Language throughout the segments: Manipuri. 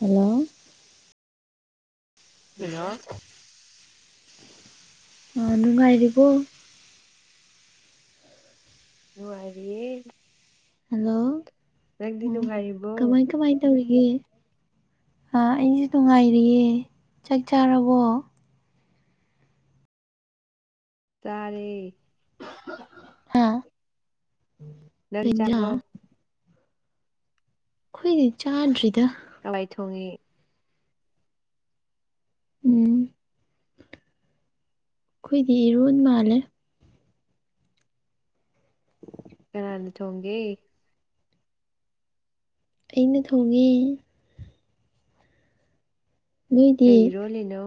ꯍꯜꯂꯣ ꯍꯜꯂꯣ [inaudible] ꯑꯥ ꯅꯨꯡꯉꯥꯏꯔꯤꯕꯣ ꯅꯨꯡꯉꯥꯏꯔꯤꯌꯦ ꯍꯜꯂꯣ ꯅꯪꯗꯤ ꯑꯣ ꯅꯨꯡꯉꯥꯏꯔꯤꯞ ꯀꯃꯥꯏ ꯀꯃꯥꯏ ꯇꯧꯔꯤꯒꯦ ꯍꯥ ꯑꯩꯖꯨ ꯅꯨꯡꯉꯥꯏꯔꯤꯌꯦ ꯆꯥꯛ ꯆꯥꯔꯕꯣ ꯆꯥꯔꯦ ꯍꯥꯥ ꯅꯗꯤ ꯆꯥꯕꯣ ꯈꯣꯏꯗꯤ ꯆꯥꯗ꯭ꯔꯤꯗ ꯀꯂꯥꯏ ꯊꯣꯡꯉꯤ ꯎꯝ ꯈꯣꯏꯗꯤ ꯏꯔꯣꯟ ꯃꯥꯜꯂꯦ [inaudible] ꯀꯅꯥꯅ ꯊꯣꯡꯒꯦ ꯑꯩꯅ ꯊꯣꯡꯉꯦ ꯀꯩ ꯅꯣꯏꯗꯤ ꯏꯔꯣꯜꯂꯤꯅꯣ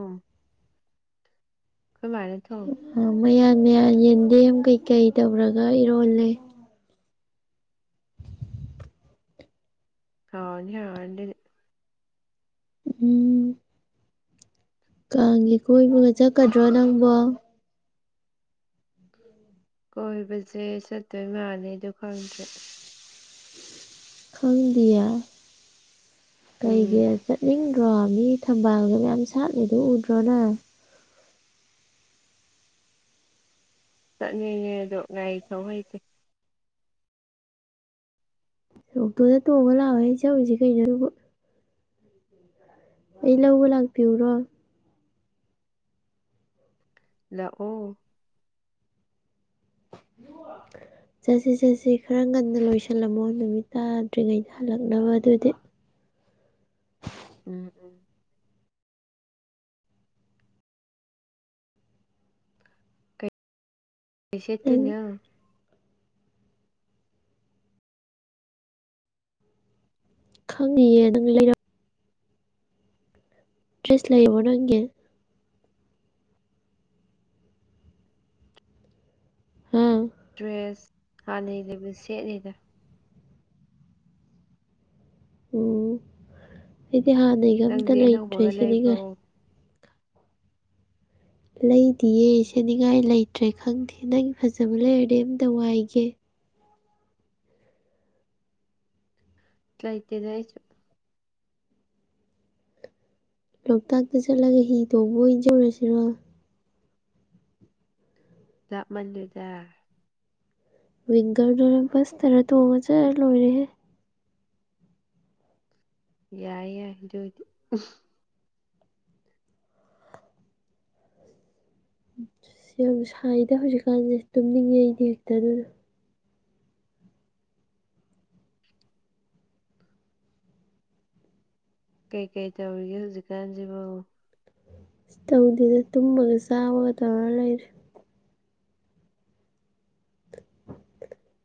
ꯈꯣꯏ ꯃꯥꯅ ꯊꯣꯡ ꯑꯥ ꯃꯌꯥꯟ ꯃꯌꯥꯟ ꯌꯦꯟꯗꯦꯝ ꯀꯩꯀꯩ ꯇꯧꯔꯒ ꯏꯔꯣꯜꯂꯦ ꯍꯥꯎꯔꯅꯤ ꯍꯥꯎꯔꯅꯤ ꯗꯨꯗꯤ ꯎꯝ ꯀꯥꯡꯒꯤ ꯀꯣꯏꯕꯒ ꯆꯠꯀꯗ꯭ꯔꯣ ꯅꯪꯕꯣ [inaudible] ꯀꯣꯏꯕꯖꯦ ꯆꯠꯇꯣꯏ ꯃꯥꯜꯂꯤ ꯑꯗꯨ ꯈꯪꯗ꯭ꯔꯦ ꯈꯪꯗꯤꯌꯦ ꯎꯝ ꯀꯩꯒꯤ ꯆꯠꯅꯤꯡꯗ꯭ꯔꯣ ꯃꯤ ꯊꯝꯕꯥꯜꯒ ꯃꯌꯥꯝ ꯁꯥꯠꯂꯤꯗꯨ ꯎꯗ꯭ꯔꯣ ꯅꯪ ꯆꯠꯅꯤꯡꯉꯦ ꯑꯗꯣ ꯉꯔꯤ ꯊꯧ ꯍꯩꯇꯦ ꯑꯣꯛꯇꯣꯗ ꯇꯣꯡꯉ ꯂꯥꯛꯑꯣꯍꯦ ꯆꯧꯖꯤ ꯀꯩꯅꯣ ꯑꯗꯨꯕꯨ ꯑꯩ ꯂꯧꯕ ꯂꯥꯛꯄꯤꯎꯔꯣ ꯂꯥꯛꯑꯣ [inaudible] ꯆꯁꯤ ꯆꯁꯤ ꯈꯔ ꯉꯟꯅ ꯂꯣꯏꯁꯤꯜꯂꯝꯃꯣ ꯅꯨꯃꯤꯠ ꯇꯥꯗ꯭ꯔꯤꯉꯩꯗ ꯍꯜꯂꯛꯅꯕ ꯑꯗꯨꯗꯤ ꯎꯝ ꯎꯝ ꯀꯩ ꯅꯪ ꯁꯦꯠꯇꯣꯏꯅꯣ ꯈꯪꯗꯤꯌꯦ ꯅꯪ ꯂꯩꯔꯞ ꯗ꯭ꯔꯦꯁ ꯂꯩꯔꯕꯣ ꯅꯪꯒꯤ ꯍꯥ ꯗ꯭ꯔꯦꯁ ꯍꯥꯟꯅꯩ ꯂꯩꯕꯗꯨ ꯁꯦꯠꯅꯤꯗ ꯑꯣ ꯑꯩꯗꯤ ꯍꯥꯟꯅꯩꯒ ꯑꯝꯇ ꯅꯪꯗꯤ ꯂꯩꯇ꯭ꯔꯦ ꯑꯅꯧꯕꯒ ꯂꯩꯕ꯭ꯔꯣ ꯁꯦꯅꯤꯉꯥꯏ ꯂꯩꯗꯤꯌꯦ ꯁꯦꯠꯅꯤꯡꯉꯥꯏ ꯎꯝ ꯂꯩꯇ꯭ꯔꯦ ꯈꯪꯗꯦ ꯅꯪ ꯐꯖꯕ ꯂꯩꯔꯗꯤ ꯑꯝꯇ ꯋꯥꯏꯒꯦ ꯂꯥꯏꯇꯦꯗ ꯑꯩꯁꯨ ꯂꯣꯛꯇꯥꯛꯇ ꯆꯠꯂꯒ ꯍꯤ ꯇꯣꯡꯕ ꯑꯣꯏꯅ ꯆꯧꯔꯁꯤꯔꯣ ꯂꯥꯞꯃꯜꯂꯤꯗ ꯋꯤꯡꯒꯔꯗꯔ ꯕꯁꯇꯔꯥ ꯇꯣꯡꯉ ꯆꯠꯂ ꯂꯣꯏꯔꯦꯍꯦ ꯌꯥꯏ ꯌꯥꯏ ꯑꯗꯣꯏꯗꯤ ꯌꯥꯝ ꯁꯥꯏꯗ ꯍꯧꯖꯤꯛꯀꯥꯟꯖꯦ ꯇꯨꯝꯅꯤꯡꯉꯦ ꯑꯩꯗꯤ ꯍꯦꯛꯇ ꯑꯗꯨꯅ ꯀꯩ ꯀꯩ ꯇꯧꯔꯤꯒꯦ ꯍꯧꯖꯤꯛꯀꯥꯟꯖꯤꯕꯣ ꯑꯁ ꯇꯧꯗꯦꯗ ꯇꯨꯝꯕꯒ ꯆꯥꯕꯒ ꯇꯧꯔ ꯂꯩꯔꯦ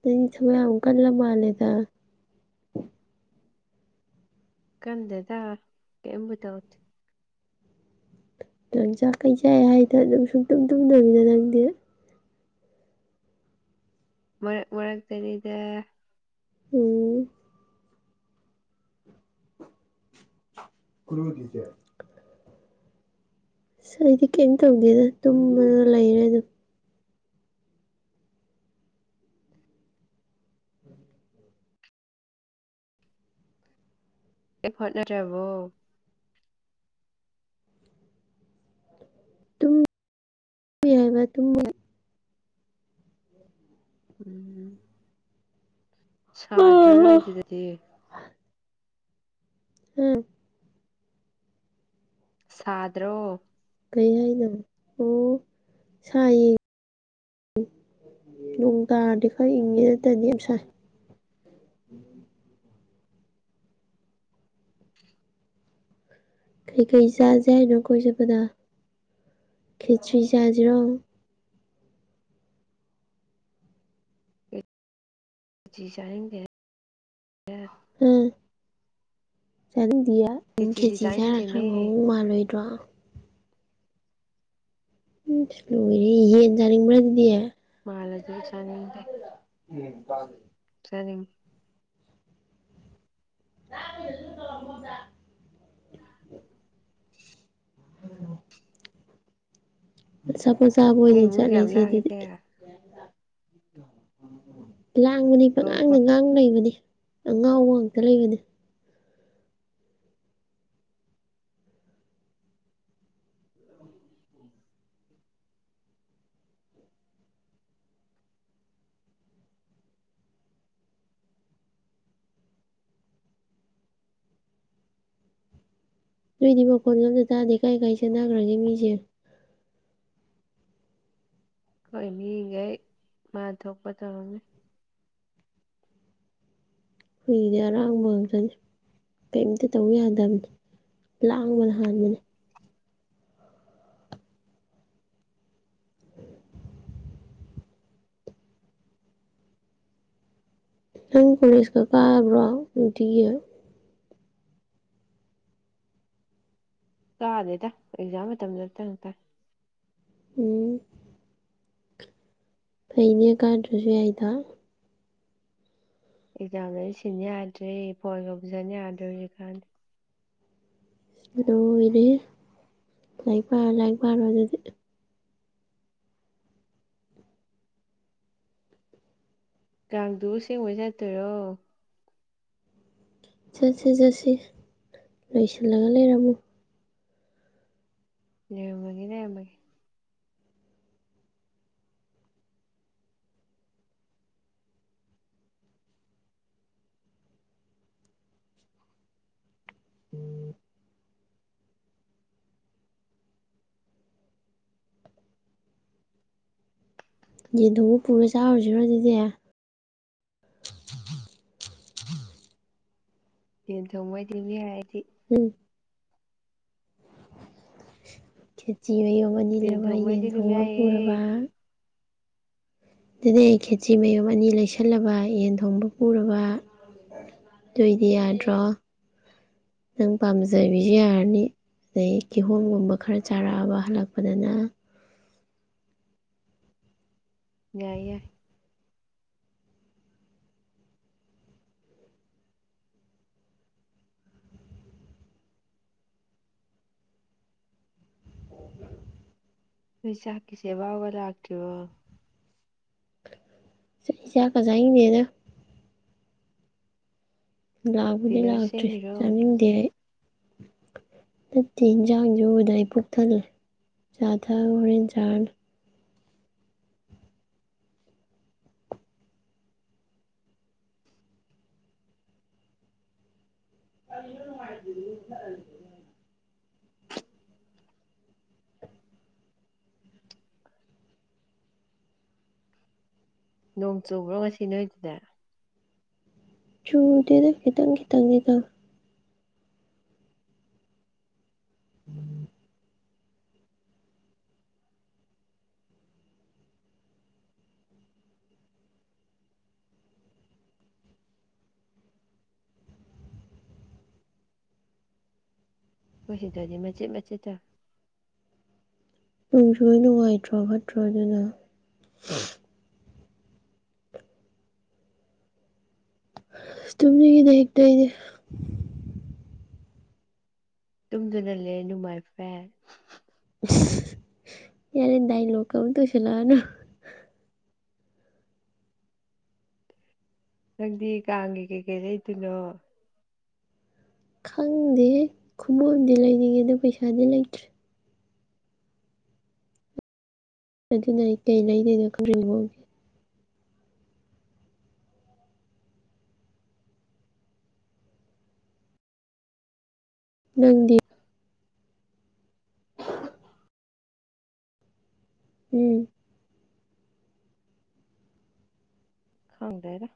ꯅꯪ ꯊꯕꯛ ꯌꯥꯝ ꯀꯜꯂ ꯃꯥꯜꯂꯦꯗ ꯀꯟꯗꯦꯗ ꯀꯦꯝꯕꯨ ꯇꯧꯗꯦ ꯂꯪ ꯆꯥꯛ ꯀꯩ ꯆꯥꯛꯏ ꯍꯥꯏꯗ ꯅꯪ ꯁꯨꯛꯇꯨꯝ ꯇꯨꯝꯗꯕꯤꯗ ꯅꯪꯗꯤ ꯃꯔꯛ ꯃꯔꯛꯇꯅꯤꯗ ꯑꯣ ꯈꯨꯔꯨ ꯑꯅꯤꯖꯦ ꯑꯁ ꯑꯩꯗꯤ ꯀꯩꯝ ꯇꯧꯗꯦꯗ ꯇꯨꯝꯕꯗ ꯂꯩꯔꯦ ꯑꯗꯨꯝ ꯀꯩꯝ ꯍꯣꯠꯅꯗ꯭ꯔꯥꯕꯣ ꯇꯨꯝ ꯃꯤ ꯍꯥꯏꯕ ꯇꯨꯝ [unintelligible] ꯎꯝ ꯁꯥꯗ꯭ꯔꯣ ꯅꯣꯏ ꯑꯥ ꯑꯗꯨꯗꯗꯤ ꯎꯝ ꯁꯥꯗ꯭ꯔꯣ ꯀꯩ ꯍꯥꯏꯅꯣ ꯑꯣ ꯁꯥꯏꯌꯦ ꯎꯝ ꯅꯣꯡ ꯇꯥꯔꯗꯤ ꯈꯔ ꯏꯪꯉꯤ ꯅꯠꯇꯥꯗꯤ ꯌꯥꯝ ꯁꯥꯏ ꯀꯩꯀꯩ ꯆꯥꯖꯤ ꯍꯥꯏꯅꯣ ꯀꯣꯏ ꯆꯠꯄꯗ ꯈꯦꯆ꯭ꯔꯤ ꯆꯥꯖꯤꯔꯣ ꯈꯦꯆꯤ ꯆꯥꯅꯤꯡꯗꯦ [unintelligible] ꯎꯝ ꯆꯅꯤꯡꯗꯤꯌꯦ ꯈꯦꯆꯤꯗꯤ ꯈꯦꯆꯤ ꯆꯥꯔ ꯈꯔ ꯆꯥꯅꯤꯡꯗꯦꯃꯦ ꯃꯑꯣꯡ ꯃꯥꯜꯂꯣꯏꯗ꯭ꯔꯣ ꯎꯝ ꯂꯣꯢꯔꯦ ꯌꯦꯟ ꯆꯥꯅꯤꯡꯕ꯭ꯔꯥ ꯑꯗꯨꯗꯤ ꯃꯥꯂꯖꯨ ꯑꯩ ꯆꯅꯤꯡꯗꯦ ꯎꯝ ꯆꯥꯗꯣꯅꯤ ꯆꯥꯅꯤꯡ [unintelligible] ꯑꯆꯥꯄꯣ ꯆꯥꯕ ꯅꯣꯏ ꯑꯣꯏꯅ ꯏꯃꯨꯡꯁꯦ ꯌꯥꯝ ꯆꯠꯂꯖꯦ ꯑꯗꯨꯗꯤ ꯂꯥꯡꯉꯤꯗ [inaudible] ꯂꯥꯡꯕꯅꯤ ꯍꯣꯏ ꯄꯉꯥꯡꯗ ꯍꯣꯏ ꯉꯥꯡ ꯂꯩꯕꯅꯤ ꯑꯉꯥꯎꯕ ꯉꯥꯛꯇꯥ ꯂꯩꯕꯅꯤ [inaudible] ꯅꯣꯏꯗꯤ ꯃꯈꯣꯟꯒ ꯑꯝꯇꯥ ꯇꯥꯗꯦ ꯀꯥꯏ ꯀꯥꯏ ꯆꯠꯅꯒ꯭ꯔꯥꯒꯦ ꯃꯤꯁꯤꯡ ꯈꯣꯏ ꯃꯤꯒꯩ ꯃꯥ ꯊꯣꯛꯄ ꯇꯧꯔꯝꯅꯤ ꯈꯣꯏꯒꯤꯗꯤ ꯑꯔꯥꯡꯕ ꯉꯥꯥꯛꯇꯥꯅꯤ ꯀꯩꯝꯇꯥ ꯇꯧ ꯌꯥꯗꯝꯅꯤ ꯂꯥꯡꯕꯅ ꯍꯥꯟꯕꯅꯤ [inaudible] ꯅꯪ ꯀꯣꯂꯦꯖꯀꯥ ꯀꯥꯕ꯭ꯔꯣ ꯅꯨꯡꯇꯤꯒꯤ ꯀꯥꯗꯦꯗ ꯑꯦꯛꯖꯥꯝ ꯃꯇꯝꯗꯇꯪ ꯀꯥꯏ ꯎꯝ ꯐꯩꯅꯦ ꯀꯥꯗ꯭ꯔꯥꯁꯨ ꯌꯥꯏꯗꯣ ꯑꯦꯛꯖꯥꯝꯗꯗꯤ ꯁꯤꯟ ꯌꯥꯗ꯭ꯔꯦ ꯐꯣꯟꯒꯥ ꯄꯨꯁꯟ ꯌꯥꯗ꯭ꯔꯦ ꯍꯧꯖꯤꯛꯀꯥꯟꯗꯤ ꯂꯣꯢꯔꯦꯍꯦ ꯂꯥꯏꯔꯤꯛ ꯄꯥꯔꯣ ꯂꯥꯏꯔꯤꯛ ꯄꯥꯔꯣ ꯑꯗꯨꯗꯤ ꯀꯥꯡꯗꯨꯕꯨ ꯑꯁꯦꯡꯕꯩ ꯆꯠꯇꯣꯏꯔꯣ ꯆꯠꯁꯤ ꯆꯠꯁꯤ ꯂꯣꯏꯁꯤꯜꯂꯒ ꯂꯩꯔꯝꯃꯨ ꯂꯩꯔꯝꯃꯒꯦ ꯂꯩꯔꯝꯃꯒꯦ [inaudible] ꯌꯦꯟ ꯊꯣꯡꯕ ꯄꯨꯔꯥ ꯆꯥꯔꯨꯖꯤꯔꯣ ꯑꯗꯨꯗꯤ ꯌꯦꯟ ꯊꯣꯡꯕꯩ [unintelligible] ꯍꯥꯏꯔꯗꯤ ꯎꯝ ꯈꯦꯆꯤ ꯃꯌꯣꯝ ꯑꯅꯤ ꯇꯦꯟ ꯂꯩꯔꯕ ꯊꯣꯡꯕꯩꯗꯤ ꯌꯦꯟ ꯑꯗꯨꯝ ꯊꯣꯡꯕ ꯌꯥꯏꯌꯦ ꯄꯨꯔꯕ ꯗꯨꯗꯩ ꯑꯩ ꯈꯦꯆꯤ ꯃꯌꯣꯝ ꯑꯅꯤ ꯂꯩꯁꯜꯂꯕ ꯌꯦꯟ ꯊꯣꯡꯕ ꯄꯨꯔꯕ ꯗꯣꯏꯗꯤ ꯌꯥꯗ꯭ꯔꯣ ꯅꯪ ꯄꯥꯝꯖꯕꯤꯖꯨ ꯌꯥꯔꯅꯤ ꯑꯗꯩ ꯀꯤꯍꯣꯝꯒꯨꯝꯕ ꯈꯔ ꯆꯥꯔꯛꯑꯕ ꯍꯜꯂꯛꯄꯗꯅ ꯌꯥꯏ ꯌꯥꯏ ꯅꯣꯏ ꯆꯥꯛꯀꯤ ꯆꯦꯕꯥꯎꯒ ꯂꯥꯛꯇ꯭ꯔꯤꯕꯣ ꯆꯥ ꯑꯩ ꯆꯥꯛ ꯆꯥꯛꯀꯥ ꯆꯅꯤꯡꯗꯦꯗ ꯂꯥꯛꯕꯨꯗꯤ ꯐꯤꯒꯔ ꯂꯥꯛꯇ꯭ꯔꯤ ꯁꯦꯝꯃꯤꯔꯣ ꯆꯥꯅꯤꯡꯗꯦ ꯑꯩ ꯅꯠꯇꯦ ꯏꯟꯖꯥꯡꯖꯦ ꯎꯕꯗ ꯑꯩ ꯄꯨꯛ ꯊꯜꯂꯦ ꯆꯥ ꯊꯑ ꯍꯣꯔꯦꯟ ꯆꯥꯔꯅꯤ [unintelligible] ꯅꯣꯡ ꯆꯨꯕ꯭ꯔꯣ ꯉꯁꯤ ꯅꯣꯏꯗꯨꯗ ꯆꯨꯗꯦꯗ ꯈꯤꯇꯪ ꯈꯤꯇꯪꯗꯤ ꯇꯧ [unintelligible] ꯈꯣꯏ ꯁꯤꯗꯗꯤ ꯃꯆꯤꯠ ꯃꯆꯤꯠ ꯇꯥ ꯅꯣꯡ ꯆꯨꯔ ꯅꯨꯉꯥꯏꯇ꯭ꯔꯣ ꯐꯠꯇ꯭ꯔꯣ ꯑꯗꯨꯅ ꯑꯁ ꯇꯨꯝꯅꯤꯡꯉꯤꯗ ꯍꯦꯛꯇ ꯑꯩꯗꯤ ꯇꯨꯝꯗꯨꯅ ꯂꯦꯜꯂꯨ ꯃꯥꯏ ꯐ꯭ꯔꯦꯟ ꯌꯥꯔꯦ ꯗꯥꯏꯂꯣꯛꯀ ꯑꯃꯨꯛ ꯇꯧꯁꯤꯜꯂꯑꯅꯨ ꯅꯪꯗꯤ ꯀꯥꯡꯒꯤ ꯀꯩꯀꯩ ꯂꯩꯗꯣꯏꯅꯣ ꯈꯪꯗꯦ ꯈꯨꯃꯨ ꯑꯝꯗꯤ ꯂꯩꯅꯤꯡꯉꯦ ꯑꯗꯣ ꯄꯩꯁꯥꯗꯤ ꯂꯩꯇ꯭ꯔꯤ ꯑꯗꯨꯅ ꯑꯩ ꯀꯩ ꯂꯩꯗꯣꯏꯅꯣ ꯈꯪꯗ꯭ꯔꯦꯉꯣ ꯅꯪꯗꯤ ꯎꯝ ꯈꯪꯗꯦꯗ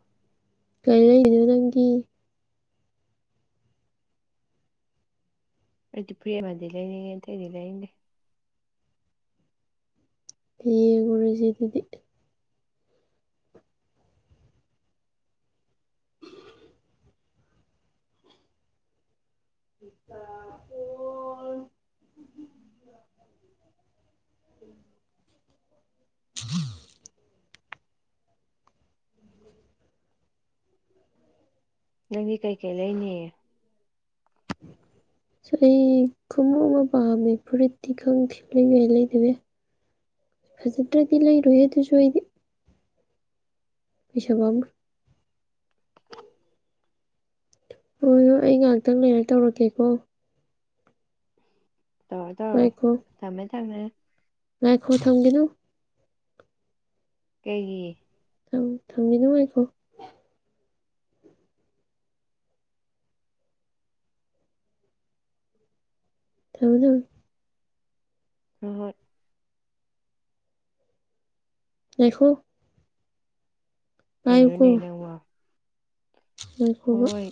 ꯀꯩ ꯂꯩꯔꯤꯅꯣ ꯅꯪꯒꯤ ꯑꯩꯗꯤ ꯐꯨꯔꯤꯠ ꯑꯃꯗꯤ ꯂꯩꯅꯤꯡꯉꯦ ꯑꯇꯩꯗꯤ ꯂꯩꯅꯤꯡꯗꯦ ꯌꯦꯡꯉꯨꯔꯖꯦ ꯑꯗꯨꯗꯤ [unintelligible] [unintelligible] [inaudible] [unintelligible] ꯅꯪꯗꯤ ꯀꯩꯀꯩ ꯂꯩꯅꯤ [unintelligible] ꯁꯣ ꯑꯩ ꯈꯨꯃꯨ ꯑꯃ ꯄꯥꯝꯃꯦ ꯐꯨꯔꯤꯠꯇꯤ ꯈꯪꯗꯦ ꯂꯩꯕ ꯌꯥꯏ ꯂꯩꯗꯕ ꯌꯥꯏ ꯐꯖꯗ꯭ꯔꯗꯤ ꯂꯩꯔꯣꯏꯍꯦ ꯗꯨꯖꯨ ꯑꯩꯗꯤ ꯄꯩꯁꯥ ꯕꯥꯃꯨꯏ ꯍꯣꯏ ꯍꯣꯏ ꯑꯩ ꯉꯥꯛꯇꯪ ꯂꯩꯔ ꯇꯧꯔꯛꯀꯦꯀꯣ ꯇꯧꯔꯣ ꯇꯧꯔꯣ ꯉꯥꯏꯈꯣ ꯊꯝꯃꯦ ꯊꯝꯃꯦ ꯉꯥꯏꯈꯣ ꯊꯝꯒꯤꯅꯨ ꯀꯩꯒꯤ ꯊꯝ ꯊꯝꯒꯤꯅꯨ ꯉꯥꯏꯈꯣ ꯊꯝꯃꯦ ꯊꯝ ꯑꯥ ꯍꯣꯏ ꯉꯥꯏꯈꯣ ꯄꯥꯏꯌꯨꯀꯣ ꯀꯩꯅꯣꯅꯦ ꯅꯪꯕꯣ ꯉꯥꯏꯈꯣꯕ ꯍꯣꯏ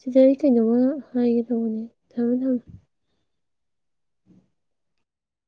ꯁꯤꯗ ꯑꯩ ꯀꯩꯅꯣꯝꯃ ꯍꯥꯏꯒꯦ ꯇꯧꯕꯅꯦ ꯊꯝꯃꯦ ꯊꯝꯃꯦ